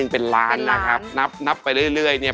เป็นล้านนะครับนับไปเรื่อยเนี่ย